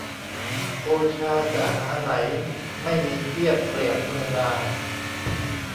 โอชาจะหาไหน ไม่มีเทียบเปรียบมือนาง